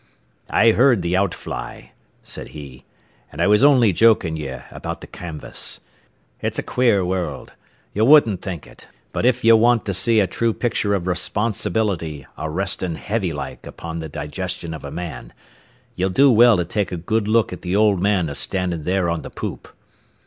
"I heard the outfly," said he, "and I was only joking ye about the canvas. It's a quare world. Ye wouldn't think it, but if ye want to see a true picture of responsibility a restin' heavy like upon the digestion of a man, ye'll do well to take a good look at the old man a standin' there on the poop.